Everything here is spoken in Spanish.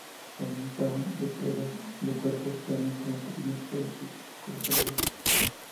Se alimentaban de presas de cuerpos planos como pequeños peces y crustáceos.